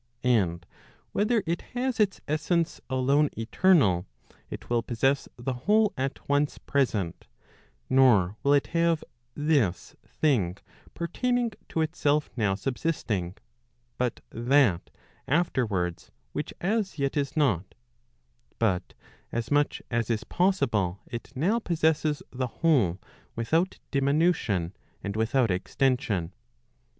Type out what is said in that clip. And whether it has its essence alone eternal, it will possess the whole at once present, nor will it have this thing pertaining to itself now subsisting, but that afterwards which as yet is not; but as much as is possible it now possesses the whole without diminution, and without extension.